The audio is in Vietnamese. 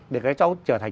để các cháu trở thành